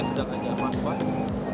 tidak akan bikin dia sampai sedap lagi